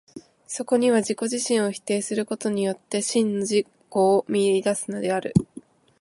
そこには自己自身を否定することによって、真の自己を見出すのである。